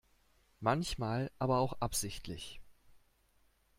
Manchmal aber auch absichtlich.